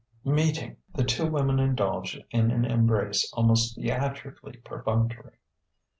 Meeting, the two women indulged in an embrace almost theatrically perfunctory.